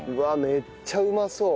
めっちゃうまそう。